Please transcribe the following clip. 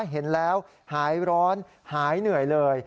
เห็นแล้วหายร้อนหายเหนื่อยเลย